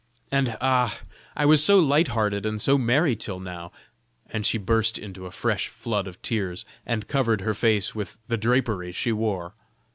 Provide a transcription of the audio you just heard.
And, ah! I was so light hearted and so merry till now!" And she burst into a fresh flood of tears, and covered her face with the drapery she wore.